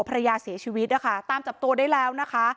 ภรรยาเสียชีวิตนะคะตามจับตัวได้แล้วนะคะ